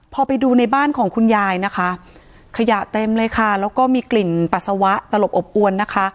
พอไปดูในบ้านของคุณยายนะคะขยะเต็มเลยค่ะแล้วก็มีกลิ่นปัสสาวะตลบอบอวนนะคะ